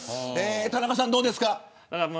田中さん、どうですか。